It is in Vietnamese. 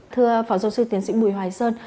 thưa phó giáo sư tiến sĩ bùi hoài sơn